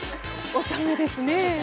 おちゃめですね！